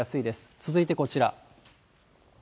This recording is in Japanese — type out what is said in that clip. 続いてこちら。